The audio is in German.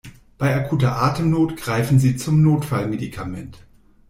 Bei akuter Atemnot greifen Sie zum Notfallmedikament.